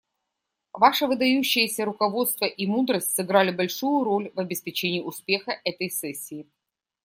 Ваше выдающееся руководство и мудрость сыграли большую роль в обеспечении успеха этой сессии.